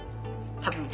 多分。